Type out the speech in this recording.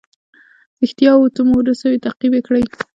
ریښتیاوو ته مو رسوي تعقیب یې کړئ.